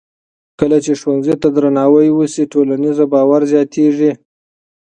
کله چې ښځو ته درناوی وشي، ټولنیز باور زیاتېږي.